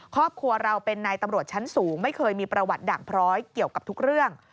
ครอบครัวเราเป็นนายตำรวจชั้นสูงไม่เคยมีประวัติด่างพร้อยเกี่ยวกับทุกเรื่อง